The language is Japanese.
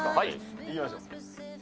行きましょう。